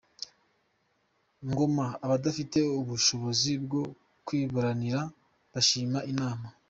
Ngoma Abadafite ubushobozi bwo kwiburanira bashima inama